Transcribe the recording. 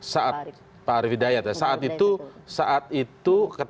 saat itu ketika pak arief hidayat sedang ramai di situ